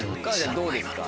どうですか？